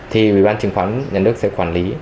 thì bộ bán chứng khoán nhà nước sẽ quản lý